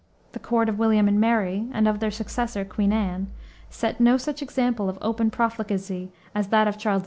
The court of William and Mary, and of their successor, Queen Anne, set no such example of open profligacy as that of Charles II.